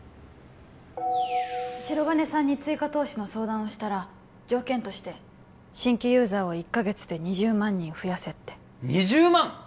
白金さんに追加投資の相談をしたら条件として新規ユーザーを１カ月で２０万人増やせって２０万！？